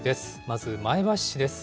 まず、前橋市です。